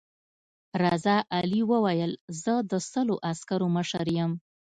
رضا علي وویل زه د سلو عسکرو مشر یم.